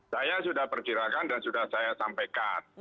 saya sudah perkirakan dan sudah saya sampaikan